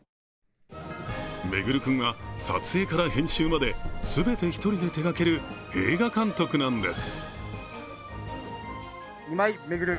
環君は撮影から編集まで全て１人で手がける映画監督なんです。